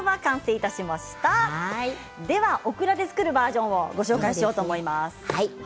ではオクラで作るバージョンをご紹介しようと思います。